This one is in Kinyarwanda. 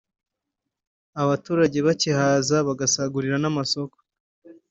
abaturage bakihaza bagasagurira n’amasoko